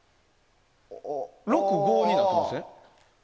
６、５になってません？